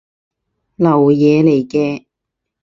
流嘢嚟嘅